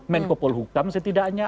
menkopol hukum setidaknya